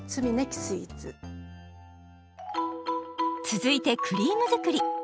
続いてクリーム作り。